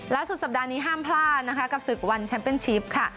สุดสัปดาห์นี้ห้ามพลาดนะคะกับศึกวันแชมป์เป็นชิปค่ะ